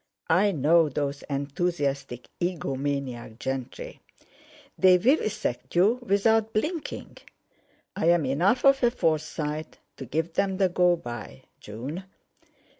I know those enthusiastic egomaniac gentry. They vivisect you without blinking. I'm enough of a Forsyte to give them the go by, June."